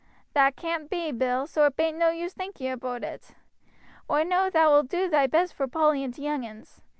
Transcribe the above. "That caan't be, Bill, so it bain't no use thinking aboot it. Oi know thou wilt do thy best vor Polly and t' young uns.